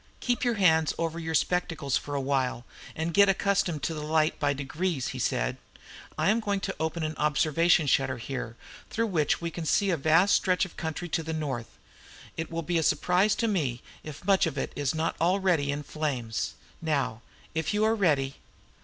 "Keep your hands over your spectacles for a while, and get accustomed to the light by degrees," he said. "I am going to open an observation shutter here, through which we can see a vast stretch of country to the north. It will be a surprise to me if much of it is not already in flames. Now, if you are ready."